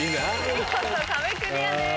見事壁クリアです。